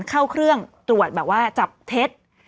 เข้าเครื่องตรวจแบบว่าจับเท็จ